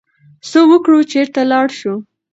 څه وکړو، چرته لاړ شو؟